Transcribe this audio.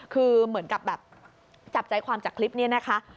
คือเหมือนกับแบบจับใจความจากคลิปนี้นะคะ